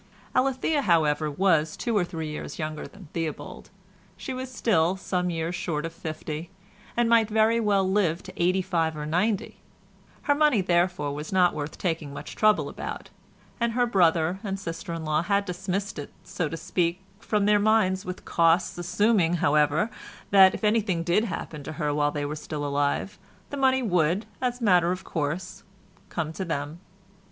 Alethea however, was two or three years younger than Theobald; she was still some years short of fifty, and might very well live to eighty five or ninety; her money, therefore, was not worth taking much trouble about, and her brother and sister in law had dismissed it, so to speak, from their minds with costs, assuming, however, that if anything did happen to her while they were still alive, the money would, as a matter of course, come to them.